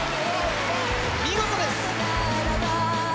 見事です！